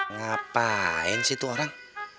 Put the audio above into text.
ngapain sih itu orang